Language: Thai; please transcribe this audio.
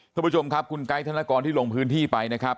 คุณผู้ชมครับคุณไกด์ธนกรที่ลงพื้นที่ไปนะครับ